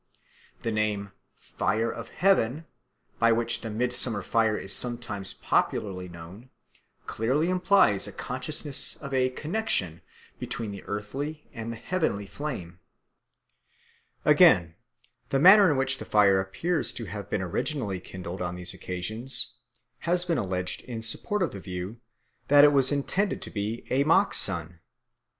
The name "fire of heaven," by which the midsummer fire is sometimes popularly known, clearly implies a consciousness of a connexion between the earthly and the heavenly flame. Again, the manner in which the fire appears to have been originally kindled on these occasions has been alleged in support of the view that it was intended to be a mock sun.